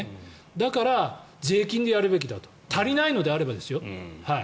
だから、税金でやるべきだと。足りないのであればですよ。